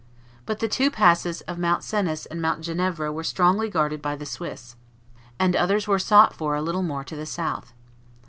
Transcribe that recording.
But the two passes of Mount Cenis and Mount Ginevra were strongly guarded by the Swiss, and others were sought for a little more to the south.